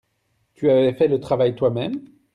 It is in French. Tu avais fait le travail toi-même.